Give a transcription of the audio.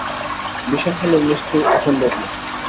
বিশাল হলেও নিশ্চয়ই অসম্ভব না?